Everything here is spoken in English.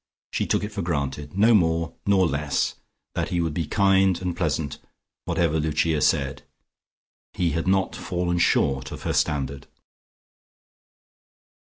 She took it for granted, no more nor less, that he would be kind and pleasant, whatever Lucia said. He had not fallen short of her standard....